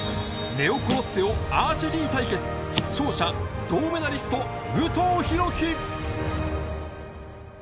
ネオコロッセオ、アーチェリー対決、勝者、銅メダリスト、武藤弘樹。